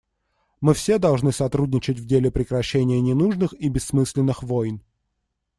Мы все должны сотрудничать в деле прекращения ненужных и бессмысленных войн.